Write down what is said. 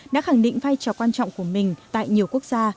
đã khẳng định vai trò quan trọng của mình tại nhiều quốc gia